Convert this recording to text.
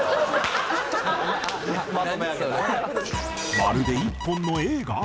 まるで１本の映画！？